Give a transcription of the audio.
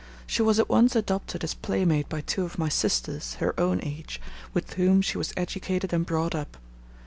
She was at once adopted as playmate by two of my sisters, her own age, with whom she was educated and brought up.